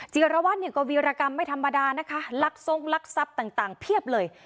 จิรวัตรเนี่ยก็วีรกรรมไม่ธรรมดานะคะลักทรงลักทรัพย์ต่างเพียบเลย